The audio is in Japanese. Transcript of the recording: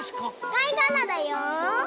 かいがらだよ！